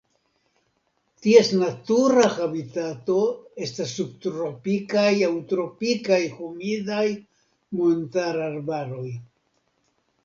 Ties natura habitato estas subtropikaj aŭ tropikaj humidaj montararbaroj.